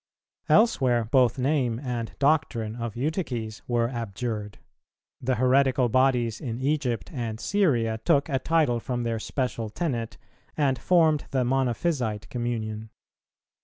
Elsewhere both name and doctrine of Eutyches were abjured; the heretical bodies in Egypt and Syria took a title from their special tenet, and formed the Monophysite communion.